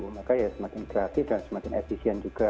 maka ya semakin kreatif dan semakin efisien juga